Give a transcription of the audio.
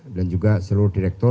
dan juga seluruh direktur